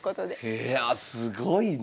いやすごいな。